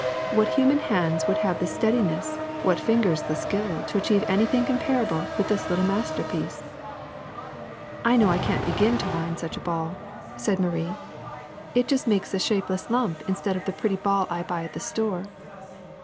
What human hands would have the steadi ness, what fingers the skill to achieve anything com parable with this little masterpiece f I know I can't begin to wind such a ball/^ said THREAD 7 Marie; ^4t just makes a shapeless lump instead of the pretty ball I buy at the store.